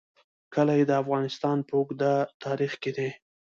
کلي د افغانستان په اوږده تاریخ کې دي.